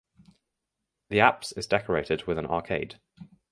The apse is decorated with an arcade.